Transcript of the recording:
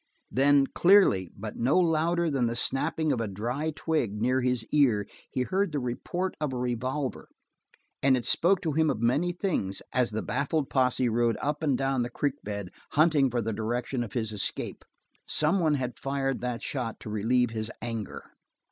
Then, clearly, but no louder than the snapping of a dry twig near his ear, he heard the report of a revolver and it spoke to him of many things as the baffled posse rode up and down the creek bed hunting for the direction of his escape. Some one had fired that shot to relieve his anger.